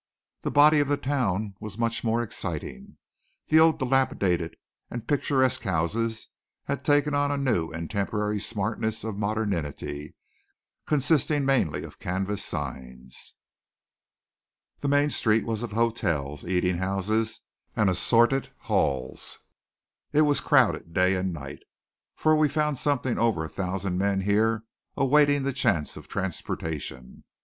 The body of the town was much more exciting. The old dilapidated and picturesque houses had taken on a new and temporary smartness of modernity consisting mainly of canvas signs. The main street was of hotels, eating houses, and assorted hells. It was crowded day and night, for we found something over a thousand men here awaiting the chance of transportation.